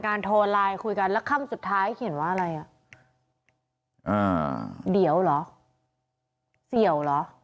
การโทรไลน์คุยกันแล้วคำสุดท้ายเขียนว่าอะไรอ่ะเดี๋ยวหรอ